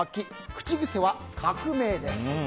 口癖は革命です。